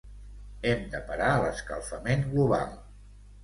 Hem de parar l'escalfament global